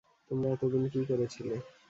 তোমরা এতদিন কী করেছিলে?